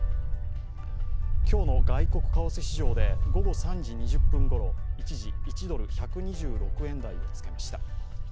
今日の外国為替市場で午後３時２０分ごろ、一時１ドル＝１２６円台をつけました。